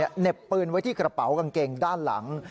เห็บปืนไว้ที่กระเป๋ากางเกงด้านหลัง